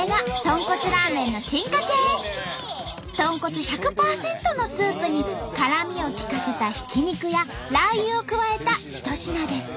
豚骨１００％のスープに辛みを利かせたひき肉やラー油を加えた一品です。